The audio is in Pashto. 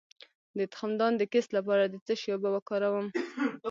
د تخمدان د کیست لپاره د څه شي اوبه وکاروم؟